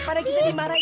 gimana kita dimarahi